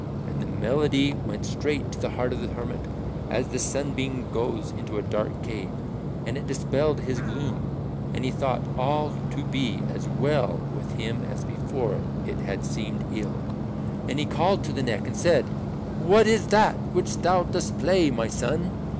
And the melody went straight to the heart of the hermit as a sunbeam goes into a dark cave, and it dispelled his gloom, and he thought all to be as well with him as before it had seemed ill. And he called to the Neck and said, "What is that which thou dost play, my son?"